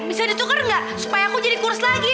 bisa ditukar gak supaya aku jadi kurs lagi